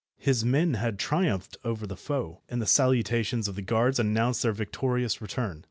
His men had triumphed over the foe, and the salutations of the guards announced their victorious return.